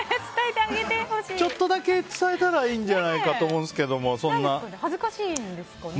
ちょっとだけ伝えたらいいんじゃないのかなって恥ずかしいんですかね。